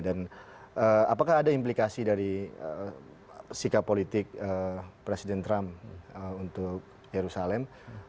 dan apakah ada implikasi dari sikap politik presiden trump untuk yerusalem